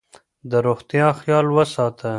د روغتیا خیال وساته.